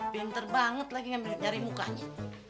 pinter banget lagi ngambil jari mukanya